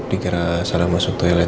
dikira salah masuk toilet